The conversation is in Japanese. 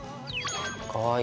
かわいい。